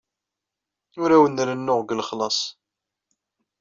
Ur awen-rennuɣ deg lexlaṣ.